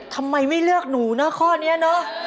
ทำไมไม่เลือกหนูนะข้อนี้เนอะ